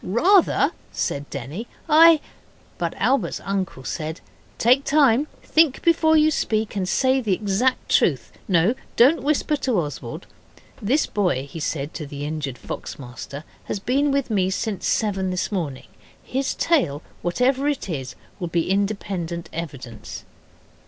'Rather,' said Denny; 'I ' But Albert's uncle said, 'Take time. Think before you speak and say the exact truth. No, don't whisper to Oswald. This boy,' he said to the injured fox master, 'has been with me since seven this morning. His tale, whatever it is, will be independent evidence.